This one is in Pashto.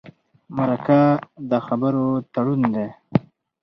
مرکه د خبرو تړون دی.